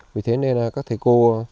vì thế nên các thầy cô